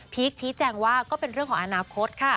พีคชีแจงว่าก็เป็นของอนาคต